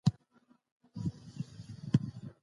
باید د هیواد ملي ګټو ته ژمن اوسو.